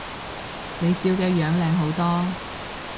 你笑嘅樣靚好多